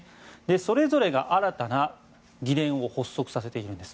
それぞれが新たな議連を発足させているんです。